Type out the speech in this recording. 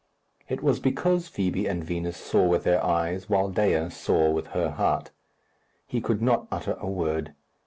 It was because Fibi and Vinos saw with their eyes, while Dea saw with her heart. He could not utter a word.